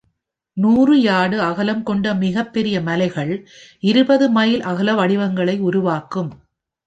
நூறு யார்டு அகலம் கொண்ட மிகப்பெரிய மலைகள் , இருபது மைல் அகல வடிவங்களை உருவாக்கும்